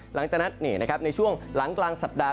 หลังจากนั้นในช่วงหลังกลางสัปดาห